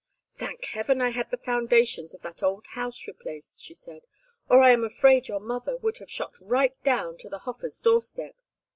"Thank heaven I had the foundations of that old house replaced," she said, "or I am afraid your mother would have shot right down to the Hofers' doorstep.